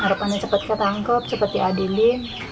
harapannya cepat ketangkep cepat diadilin